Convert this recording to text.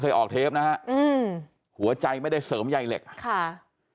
ออกเทปนะฮะอืมหัวใจไม่ได้เสริมใยเหล็กค่ะ